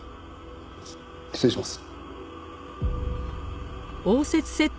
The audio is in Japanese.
失礼します。